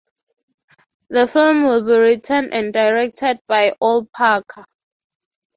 The film will be written and directed by Ol Parker.